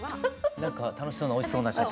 何か楽しそうなおいしそうな写真。